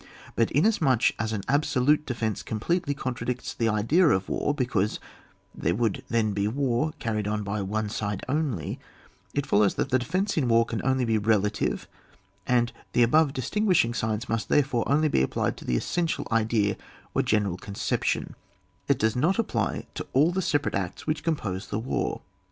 But inasmuch as an absolute defence completely contradicts the idea of war, because there would then be war carried on by one side only, it follows that the defence in war can only be relative and the above distinguishing signs must therefore only be applied to the essential idea or general conception : it does not apply to all the separate acts which com pose the war.